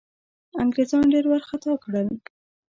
انګرېزان ډېر وارخطا کړل.